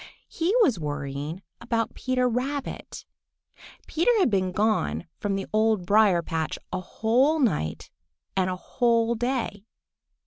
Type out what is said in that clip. He was worrying about Peter Rabbit. Peter had been gone from the Old Briar patch a whole night and a whole day.